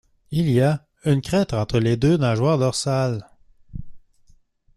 Il y a une crête entre les deux nageoires dorsales.